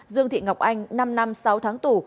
dương thị ngọc anh năm năm sáu tháng tù